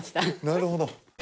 なるほど。